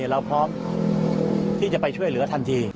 เราพร้อมที่จะไปช่วยเหลือทันที